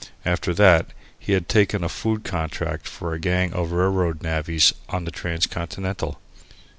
After that, he had taken a food contract for a gang of railroad navvies on the transcontinental.